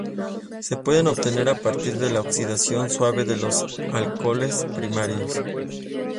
Se pueden obtener a partir de la oxidación suave de los alcoholes primarios.